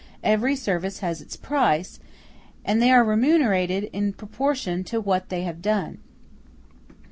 Every service has its price, and they are remunerated in proportion to what they have done.